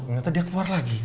ternyata dia keluar lagi